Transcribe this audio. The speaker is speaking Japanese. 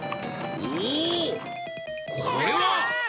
これは！